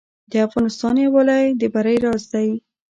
د افغانستان یووالی د بری راز دی